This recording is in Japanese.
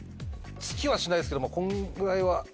つきはしないですけど、こんぐらいは。